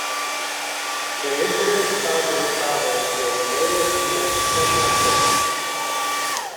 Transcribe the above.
The incidents of his travels were related in a succession of books.